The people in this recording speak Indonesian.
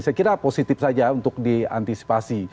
saya kira positif saja untuk diantisipasi